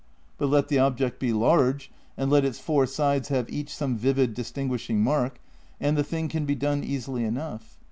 But let the object be large and let its four sides have each some vivid distinguishing mark, and the thing can be done easily enough.